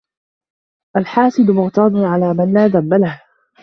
الْحَاسِدُ مُغْتَاظٌ عَلَى مَنْ لَا ذَنْبَ لَهُ